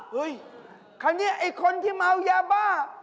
คือเนี่ยไอ้คนที่เมาเยาบ้า